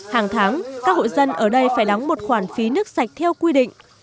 hàng tháng các hội dân ở đây phải đóng một khoản phí nước sạch theo quy định